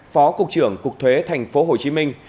phó cục trưởng cục thuế thành phố hồ chí minh